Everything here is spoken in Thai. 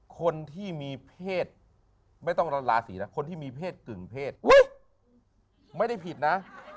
คนที่มีเพศไม่ต้องราศีนะคนที่มีเพศกึ่งเพศไม่ได้ผิดนะ